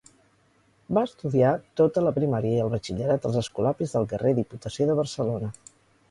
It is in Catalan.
Va estudiar tota la primària i el batxillerat als Escolapis del carrer Diputació de Barcelona.